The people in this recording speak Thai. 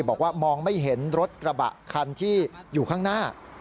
บอกว่ามองไม่เห็นรถกระบะคันที่อยู่ข้างหน้า